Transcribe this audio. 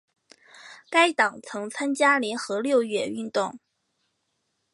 该党曾参加联合六月运动。